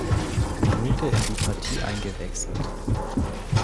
Minute in die Partie eingewechselt.